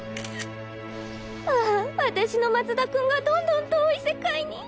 あぁ私の松田君がどんどん遠い世界に。